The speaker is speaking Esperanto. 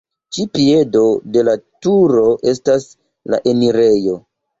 Ĉe piedo de la turo estas la enirejo.